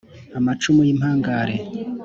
Amacumu y' impangare